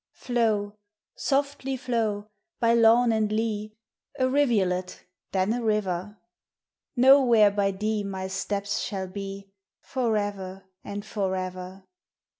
Flow, softly flow, by lawn and lea, A rivulet then a river: No where by thee my steps shall be, For ever and for ever.